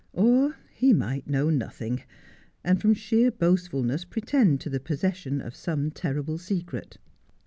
Or he might know nothing, and from sheer boastfulness pretend to the possession of some terrible secret.